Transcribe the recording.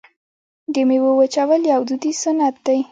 د میوو وچول یو دودیز صنعت دی.